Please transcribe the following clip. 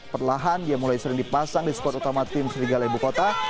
perlahan dia mulai sering dipasang di spot utama tim serigala ibukota